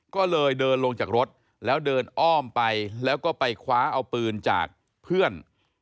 ก็เลยเดินลงจากรถแล้วเดินอ้อมไปแล้วก็ไปคว้าเอาปืนจากเพื่อน